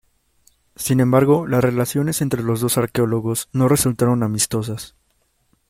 Sin embargo, las relaciones entre los dos arqueólogos no resultaron amistosas.